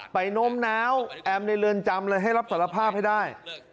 โน้มน้าวแอมในเรือนจำเลยให้รับสารภาพให้ได้